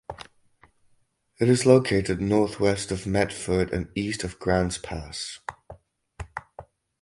It is located northwest of Medford and east of Grants Pass.